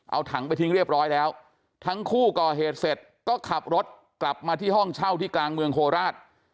เอาถังไปทิ้งเรียบร้อยแล้วทั้งคู่ก่อเหตุเสร็จก็ขับรถกลับมาที่ห้องเช่าที่กลางเมืองโคราช